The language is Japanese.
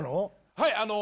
はい。